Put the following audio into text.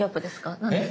何です？